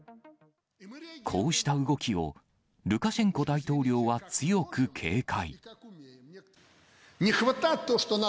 こうした動きを、ルカシェンコ大統領は強く警戒。